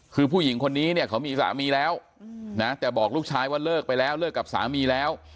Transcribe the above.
คือผู้หญิงคนนี้เนี่ยเขามีสามีแล้วนะแต่บอกลูกชายว่าเลิกไปแล้วเลิกกับสามีแล้ว